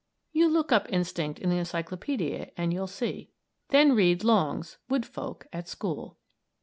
You look up "instinct" in the encyclopædia, and you'll see. Then read Long's "Wood Folk at School."